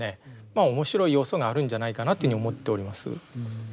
まあ面白い要素があるんじゃないかなというふうに思っております。